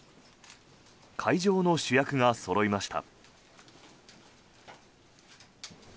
会場の主役がそろいました。